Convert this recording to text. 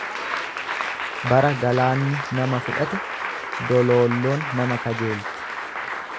Bara galaanni nama fudhate doloolloon nama kajeelti.